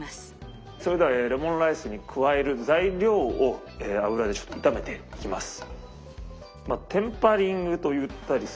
それではえレモンライスに加える材料を油でちょっと炒めていきます。